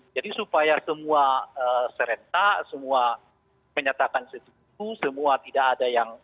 jadi supaya semua serentak semua menyatakan setuju semua tidak ada yang